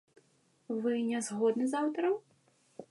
Вы не згодны з аўтарам?